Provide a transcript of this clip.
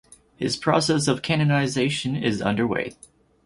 His process of canonization is underway.